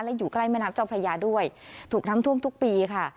และอยู่ใกล้แม่น้ำเจ้าพระยาด้วยถูกน้ำท่วมทุกปีค่ะ